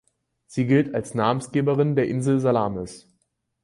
Sie gilt als Namensgeberin der Insel Salamis.